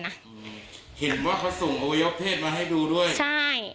แล้วทีนี้พอคุยมา